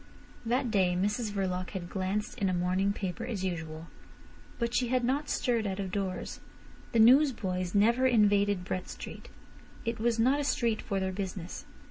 That day Mrs Verloc had glanced at a morning paper as usual. But she had not stirred out of doors. The newsboys never invaded Brett Street. It was not a street for their business.